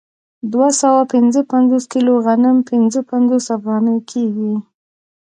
دوه سوه پنځه پنځوس کیلو غنم پنځه پنځوس افغانۍ کېږي